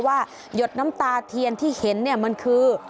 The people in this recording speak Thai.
ว่ายดน้ำตาเทียนที่เห็นมันคือ